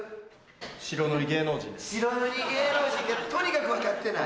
白塗り芸能人がとにかく分かってない！